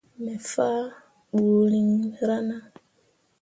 Me fah ɓuriŋ rana.